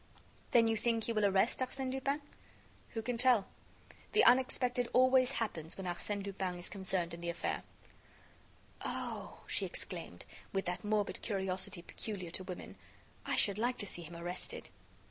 "Then you think he will arrest Arsène Lupin?" "Who can tell? The unexpected always happens when Arsène Lupin is concerned in the affair." "Oh!" she exclaimed, with that morbid curiosity peculiar to women, "I should like to see him arrested."